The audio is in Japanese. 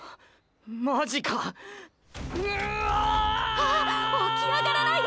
ああっ起き上がらないで！